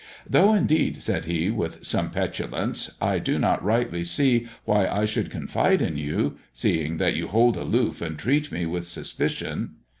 " Though, indeed," said he, with some petulance, " I do not rightly see why I should confide in you, seeing that you hold aloof, and treat me with suspicion."